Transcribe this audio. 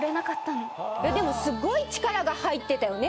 でもすっごい力が入ってたよね